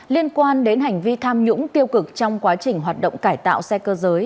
liên quan đến hành vi tham nhũng tiêu cực trong quá trình hoạt động cải tạo xe cơ giới